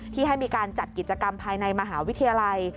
ที่ให้มีการจัดกิจกรรมภายในมหาวิทยาลัย